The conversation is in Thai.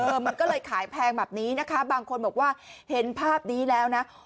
มันก็เลยขายแพงแบบนี้นะคะบางคนบอกว่าเห็นภาพนี้แล้วนะ